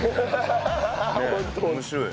面白い。